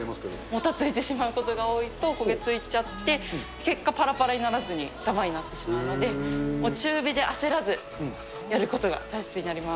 もたついてしまうことが多いと焦げ付いちゃって、結果ぱらぱらにならずにだまになってしまうので、中火で焦らずやることが大切になります。